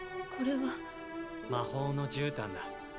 アラジン：魔法のじゅうたんだ。